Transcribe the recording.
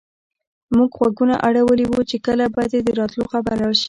موږ غوږونه اړولي وو چې کله به دې د راتلو خبر راشي.